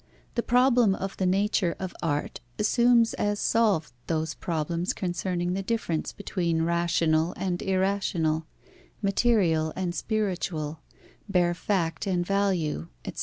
The problem of the nature of art assumes as solved those problems concerning the difference between rational and irrational, material and spiritual, bare fact and value, etc.